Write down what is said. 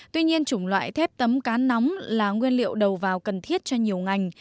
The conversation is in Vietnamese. tuy nhiên chủng loại thép tấm cá nóng là nguyên liệu đầu vào cần thiết cho nhiều ngành